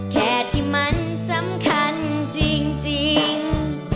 แค่ที่มันสำคัญจริง